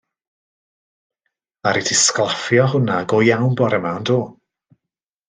Ddaru ti sglaffio hwnna go iawn bore 'ma on'd do?